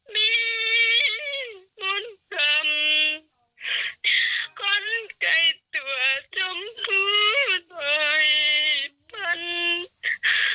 มีมนต์ดำข้อนไก่ตัวจมพูดโดยพันธุ์